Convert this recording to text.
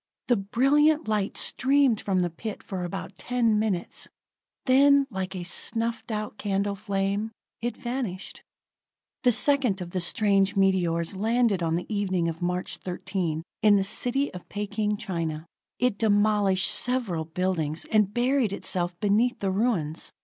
The brilliant light streamed from the pit for about ten minutes; then like a snuffed out candle flame, it vanished. The second of the strange meteors landed on the evening of March 13th, in the city of Peking, China. It demolished several buildings, and buried itself beneath the ruins.